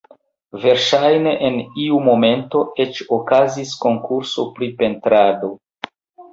Verŝajne en iu momento eĉ okazis konkurso pri pentrado.